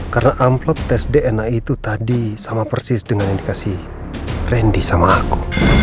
karena envelope tes dna itu tadi sama persis dengan yang dikasih randy sama aku